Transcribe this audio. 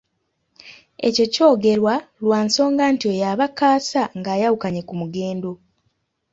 Ekyo ky’ogerwa lwa nsonga nti oyo aba kaasa ng’ayawukanye ku Mugendo.